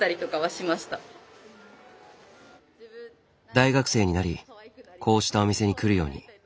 大学生になりこうしたお店に来るように。